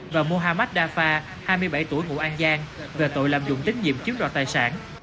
và mohammad dafa hai mươi bảy tuổi ngụ an giang về tội lạm dụng tín nhiệm chiếm đoạt tài sản